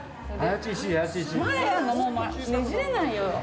もうねじれないよ。